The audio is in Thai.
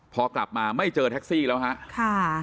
พอกลับมาไม่เจอแท็กซี่แล้วฮะ